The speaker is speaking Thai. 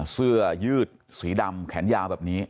เสื้อยืดสีดำแขนยาวแบบนี้